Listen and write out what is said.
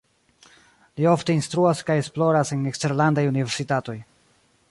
Li ofte instruas kaj esploras en eksterlandaj universitatoj.